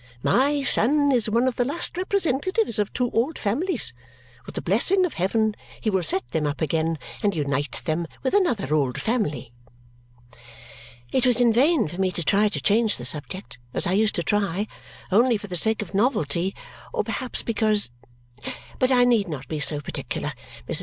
My son is one of the last representatives of two old families. With the blessing of heaven he will set them up again and unite them with another old family." It was in vain for me to try to change the subject, as I used to try, only for the sake of novelty or perhaps because but I need not be so particular. Mrs.